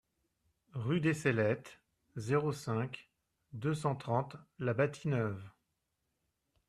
Rue des Cellettes, zéro cinq, deux cent trente La Bâtie-Neuve